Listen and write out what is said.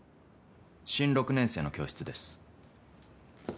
新６年生の教室です。